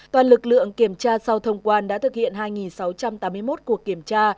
toàn lực lượng kiểm tra sau thông quan đã thực hiện hai sáu trăm tám mươi một cuộc kiểm tra